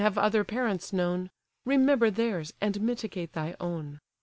have other parents known; Remember theirs, and mitigate thy own.